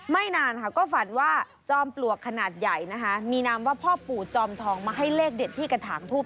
นานค่ะก็ฝันว่าจอมปลวกขนาดใหญ่นะคะมีนามว่าพ่อปู่จอมทองมาให้เลขเด็ดที่กระถางทูบ